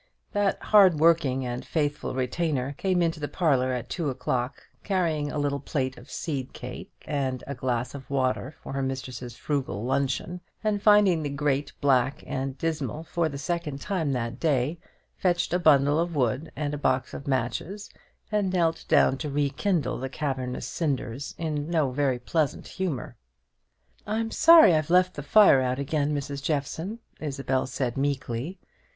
That hard working and faithful retainer came into the parlour at two o'clock, carrying a little plate of seed cake and a glass of water for her mistress's frugal luncheon; and finding the grate black and dismal for the second time that day, fetched a bundle of wood and a box of matches, and knelt down to rekindle the cavernous cinders in no very pleasant humour. "I'm sorry I've let the fire out again, Mrs. Jeffson," Isabel said meekly.